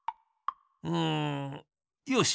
うんよし！